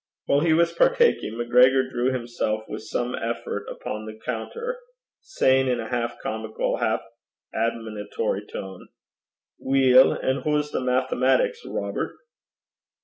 While he was partaking, MacGregor drew himself with some effort upon the counter, saying in a half comical, half admonitory tone, 'Weel, and hoo's the mathematics, Robert?'